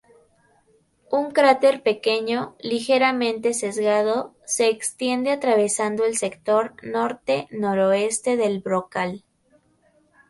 Un cráter pequeño, ligeramente sesgado, se extiende atravesando el sector norte-noroeste del brocal.